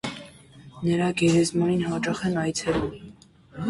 Նրա գերեզմանին հաճախ են այցելում։